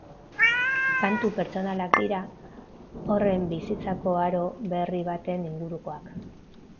Kantu pertsonalak dira, horren bizitzako aro berri baten ingurukoak.